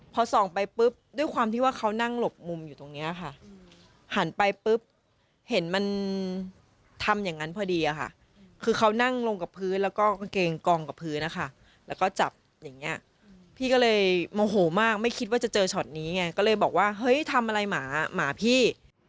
พอส่องไปปุ๊บด้วยความที่ว่าเขานั่งหลบมุมอยู่ตรงเนี้ยค่ะหันไปปุ๊บเห็นมันทำอย่างนั้นพอดีอะค่ะคือเขานั่งลงกับพื้นแล้วก็กางเกงกองกับพื้นนะคะแล้วก็จับอย่างเงี้ยพี่ก็เลยโมโหมากไม่คิดว่าจะเจอช็อตนี้ไงก็เลยบอกว่าเฮ้ยทำอะไรหมาหมาพี่